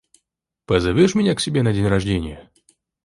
Позовешь меня к себе на день рождения?